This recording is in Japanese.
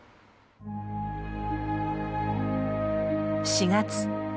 ４月。